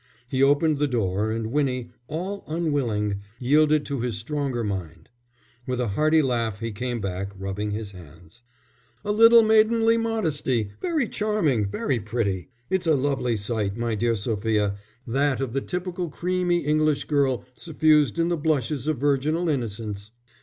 He opened the door, and Winnie, all unwilling, yielded to his stronger mind. With a hearty laugh he came back, rubbing his hands. "A little maidenly modesty! Very charming, very pretty! It's a lovely sight, my dear Sophia, that of the typical creamy English girl suffused in the blushes of virginal innocence."